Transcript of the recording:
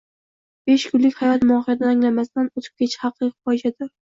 besh kunlik hayot mohiyatini anglamasdan o‘tib ketish haqiqiy fojiadir.